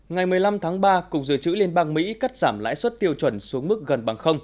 ngày một mươi năm tháng ba cục dự trữ liên bang mỹ cắt giảm lãi suất tiêu chuẩn xuống mức gần bằng